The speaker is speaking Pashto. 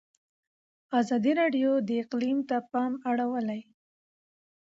ازادي راډیو د اقلیم ته پام اړولی.